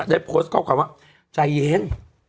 ได้โพสต์ข้อความว่าใจเย็น